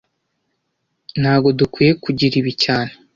Ntago dukwiye kugira ibi cyane